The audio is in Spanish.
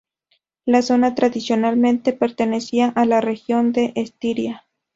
La zona tradicionalmente pertenecía a la región de Estiria.